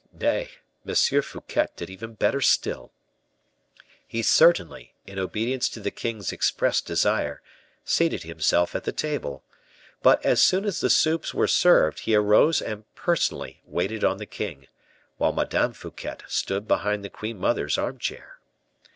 Nay, M. Fouquet did even better still; he certainly, in obedience to the king's expressed desire, seated himself at the table, but as soon as the soups were served, he arose and personally waited on the king, while Madame Fouquet stood behind the queen mother's armchair.